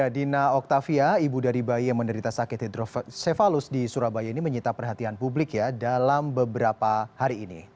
dina oktavia ibu dari bayi yang menderita sakit hidrosefalus di surabaya ini menyita perhatian publik ya dalam beberapa hari ini